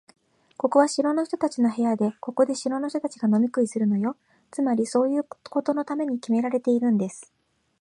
ここは城の人たちの部屋で、ここで城の人たちが飲み食いするのよ。つまり、そういうことのためにきめられているんです。